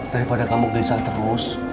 daripada kamu bisa terus